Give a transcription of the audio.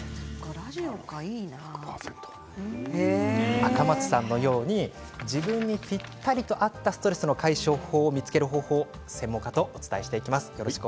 赤松さんのように自分にぴったりと合ったストレスの対処法を見つける方法を専門家とお伝えします。